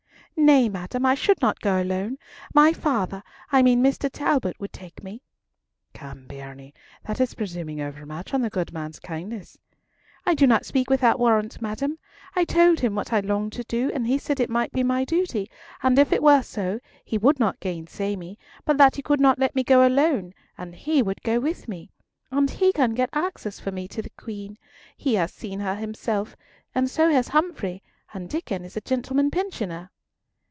"Nay, madam, I should not go alone. My father, I mean Mr. Talbot, would take me." "Come, bairnie, that is presuming overmuch on the good man's kindness." "I do not speak without warrant, madam. I told him what I longed to do, and he said it might be my duty, and if it were so, he would not gainsay me; but that he could not let me go alone, and would go with me. And he can get access for me to the Queen. He has seen her himself, and so has Humfrey; and Diccon is a gentleman pensioner."